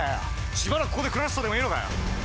しばらくここで暮らすとでもなんの話。